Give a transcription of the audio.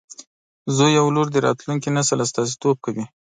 زوی او لور د راتلونکي نسل استازیتوب کوي.